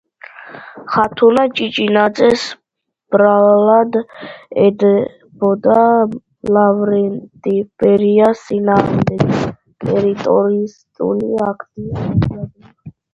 ხათუნა ჭიჭინაძეს ბრალად ედებოდა ლავრენტი ბერიას წინააღმდეგ ტერორისტული აქტის მომზადება.